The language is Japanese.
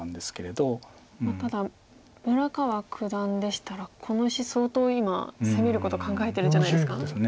ただ村川九段でしたらこの石相当今攻めること考えてるんじゃないですか？ですね。